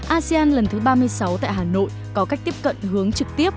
asean lần thứ ba mươi sáu tại hà nội có cách tiếp cận hướng trực tiếp